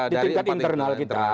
di tingkat internal kita